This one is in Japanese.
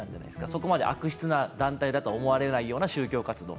そこまで悪質な団体だと思われないような宗教活動。